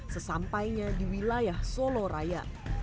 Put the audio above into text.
sesampainya di wilayah solo raya